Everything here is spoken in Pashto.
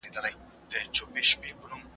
د توکو قیمتونه په بازار کي ټاکل کیږي.